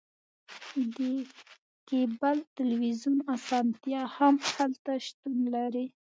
د کیبل تلویزیون اسانتیا هم هلته شتون لري